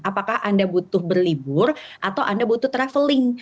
apakah anda butuh berlibur atau anda butuh traveling